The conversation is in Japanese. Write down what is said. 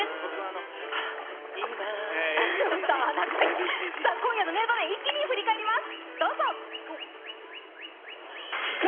今夜の名場面、一気に振り返ります。